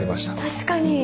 確かに！